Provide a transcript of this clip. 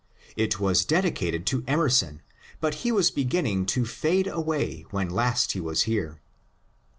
It was dedicated to Emerson, but he was beginning to fade away when last he was here.